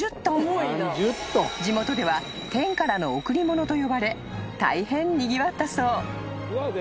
［地元では天からの贈り物と呼ばれ大変にぎわったそう］